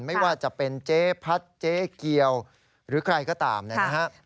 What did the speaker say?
ไม่ว่าจะเป็นเจ๊พัดเจ๊เกียวหรือใครก็ตามนะครับ